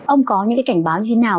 ông có những cảnh báo như thế nào